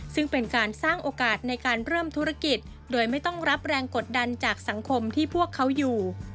ซึ่งเป็นการสร้างโอกาสในการเริ่มธุรกิจโดยไม่ต้องรับแรงกดดันจากสังคมที่พวกเขาอยู่